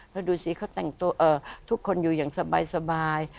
แล้วดูสิเขาแต่งตัวทุกคนอยู่อย่างสบาย